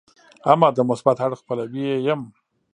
اما د مثبت اړخ پلوی یې یم.